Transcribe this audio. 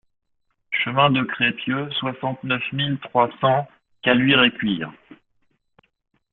Chemin de Crépieux, soixante-neuf mille trois cents Caluire-et-Cuire